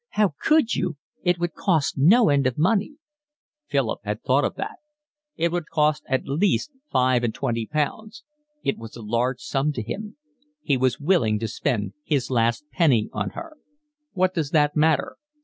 "How could you? It would cost no end of money." Philip had thought of that. It would cost at least five and twenty pounds. It was a large sum to him. He was willing to spend his last penny on her. "What does that matter?